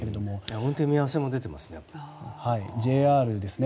運転見合わせも出ていますね。